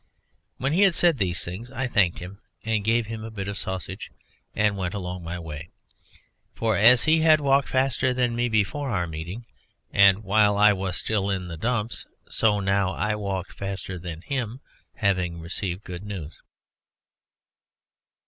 When he had said these things I thanked him and gave him a bit of sausage and went along my way, for as he had walked faster than me before our meeting and while I was still in the dumps, so now I walked faster than him, having received good news.